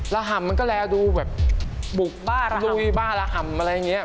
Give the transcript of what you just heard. ห่ำมันก็แล้วดูแบบบุกบ้านลุยบ้าระห่ำอะไรอย่างนี้